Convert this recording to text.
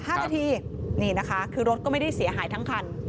๕นาทีคือรถก็ไม่ได้เสียหายทั้งขั้น